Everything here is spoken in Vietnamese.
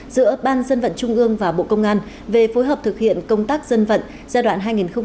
giữa ban dân vận trung ương và bộ công an về phối hợp thực hiện công tác dân vận giai đoạn hai nghìn một mươi sáu hai nghìn hai mươi